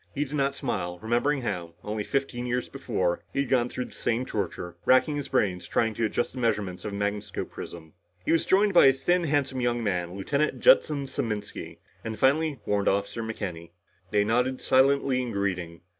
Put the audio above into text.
He did not smile, remembering how, only fifteen years before, he had gone through the same torture, racking his brains trying to adjust the measurements of a magnascope prism. He was joined by a thin handsome young man, Lieutenant Judson Saminsky, and finally, Warrant Officer McKenny. They nodded silently in greeting.